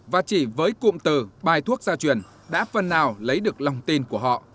và chỉ với cụm từ bài thuốc gia truyền đã phần nào lấy được lòng tin của họ